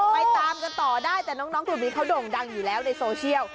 ไปตามกันต่อได้แต่น้องกลุ่มนี้เขาโด่งดังอยู่แล้วในโซเชียล